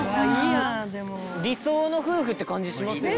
理想の夫婦って感じしますよね。